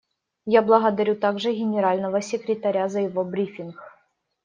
Я благодарю также Генерального секретаря за его брифинг.